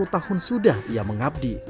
empat puluh tahun sudah dia mengabdi